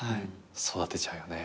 育てちゃうよね。